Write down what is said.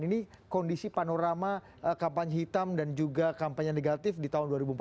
ini kondisi panorama kampanye hitam dan juga kampanye negatif di tahun dua ribu empat belas